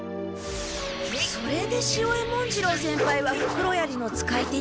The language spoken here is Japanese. それで潮江文次郎先輩はふくろやりの使い手に。